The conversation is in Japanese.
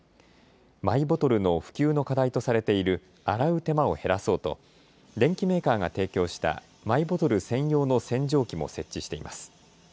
マイボトルの普及の課題とされている洗う手間を減らそうと電機メーカーが提供したマイボトル専用の洗浄機も設置しています。